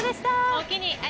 おおきに。